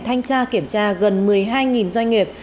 thanh tra kiểm tra gần một mươi hai doanh nghiệp